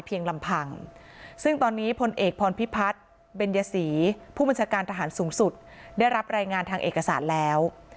ลำพังซึ่งตอนนี้พลเอกพรพิพัฒน์เบญยศรีผู้บัญชาการทหารสูงสุดได้รับรายงานทางเอกสารแล้ว